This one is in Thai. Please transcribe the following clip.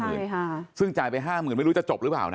ซึ่งก็ขึ้นจ่ายไป๕๐๐๐บาทไม่รู้จะจบหรือเปล่านะ